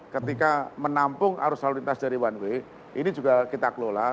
ketika menampung arus lalu lintas dari one way ini juga kita kelola